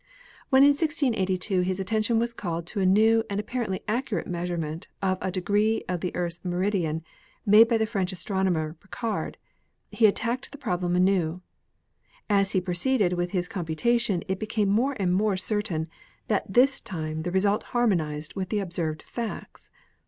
When in 1682 his attention was called to a new and ap parently accurate measurement of a degree of the Earth's meridian made by the French astronomer Picard, he at tacked the problem anew. As he proceeded with his com putation it became more and more certain that this time the result harmonized with the observed facts.